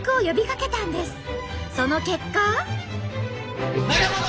その結果。